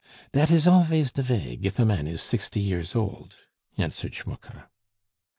"Dat is alvays de vay, gif a man is sixty years old," answered Schmucke.